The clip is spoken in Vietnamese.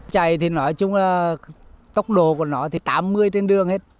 chạy thì nói chung là tốc độ của nó thì tám mươi trên đường hết